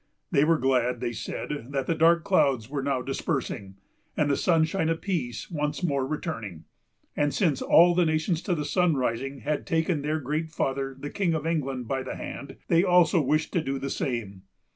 They were glad, they said, that the dark clouds were now dispersing, and the sunshine of peace once more returning; and since all the nations to the sunrising had taken their great father the King of England by the hand, they also wished to do the same.